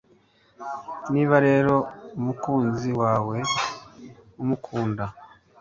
Niba rero umukunzi wawe umukunda,